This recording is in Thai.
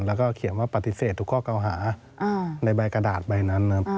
แล้วก็เขียนว่าปฏิเสธทุกข้อเก่าหาในใบกระดาษใบนั้นนะครับ